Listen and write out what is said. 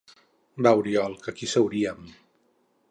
Va, Oriol, que aquí seuríem.